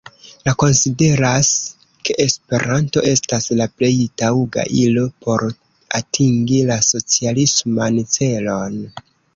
Li konsideras, ke Esperanto estas la plej taŭga ilo por atingi la socialisman celon.